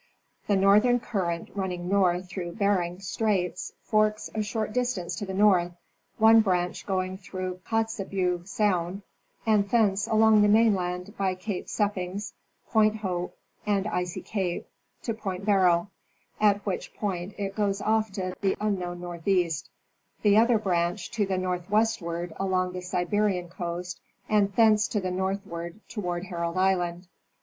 The normal current running north through Bering strait forks a short distance to the north, one branch going through Kotzebue Sound and thence along the mainland by Cape Seppings, Point Hope, and Icy cape, to Point Barrow, at which point it goes off to the unknown northeast ; the other branch, to the northwestward along the Siberian coast, and thence to the northward toward Herald island.